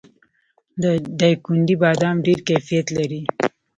د دایکنډي بادام ډیر کیفیت لري.